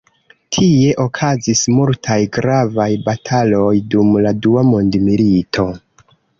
Tie okazis multaj gravaj bataloj dum la Dua Mondmilito.